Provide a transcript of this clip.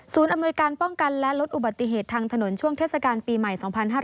อำนวยการป้องกันและลดอุบัติเหตุทางถนนช่วงเทศกาลปีใหม่๒๕๕๙